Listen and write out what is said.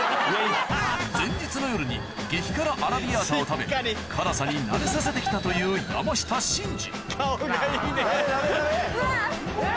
前日の夜に激辛アラビアータを食べ辛さに慣れさせて来たという何だよ。